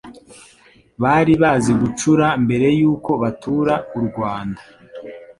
bari bazi gucura mbere yuko batura u Rwanda